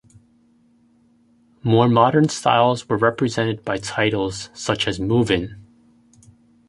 More modern styles were represented by titles such as Movin'!